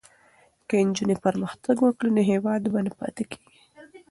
که نجونې پرمختګ وکړي نو هیواد به نه پاتې کېږي.